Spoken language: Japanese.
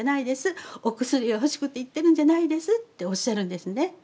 お薬が欲しくて言ってるんじゃないですっておっしゃるんですね。